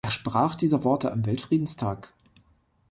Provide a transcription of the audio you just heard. Er sprach diese Worte am Weltfriedenstag.